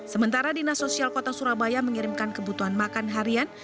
sementara dinas sosial kota surabaya mengirimkan kebutuhan makan harian